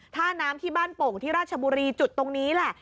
ท่าน้ำที่บ้านโป่งที่ราชบุรีจุดตรงนี้แหละ